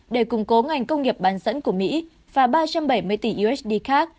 để củng cố ngành công nghiệp bán dẫn của mỹ và ba trăm bảy mươi tỷ usd khác